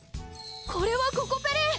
これはココペリ！